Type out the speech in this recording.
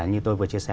như tôi vừa chia sẻ